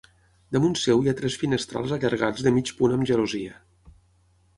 Damunt seu hi ha tres finestrals allargats de mig punt amb gelosia.